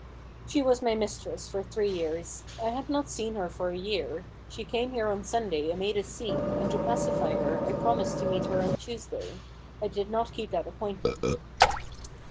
" She was my mistress for three years. I had not seen her for a year. She came here on Sunday and made a scene, and to pacify her, I promised to meet her on Tuesday. I did not keep that appointment."